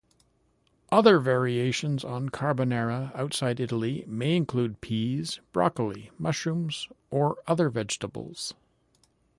Other variations on carbonara outside Italy may include peas, broccoli, mushrooms, or other vegetables.